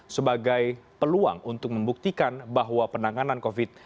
sebagai peluang untuk membuktikan bahwa penanganan covid